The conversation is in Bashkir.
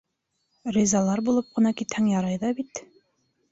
Ризалар булып ҡына китһәң ярай ҙа бит...